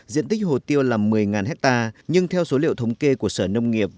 diện tích hồ tiêu là một mươi hectare nhưng theo số liệu thống kê của sở nông nghiệp